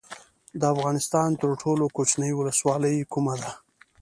د افغانستان تر ټولو کوچنۍ ولسوالۍ کومه ده؟